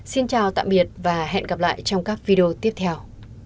xin chào tạm biệt và hẹn gặp lại trong các video tiếp theo